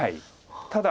ただ。